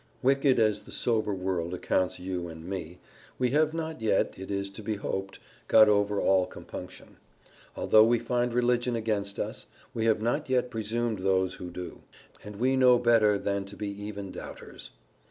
Wicked as the sober world accounts you and me, we have not yet, it is to be hoped, got over all compunction. Although we find religion against us, we have not yet presumed those who do. And we know better than to be even doubters.